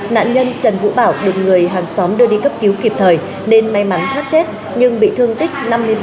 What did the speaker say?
nạn nhân trần vũ bảo được người hàng xóm đưa đi cấp cứu kịp thời nên may mắn thoát chết nhưng bị thương tích năm mươi ba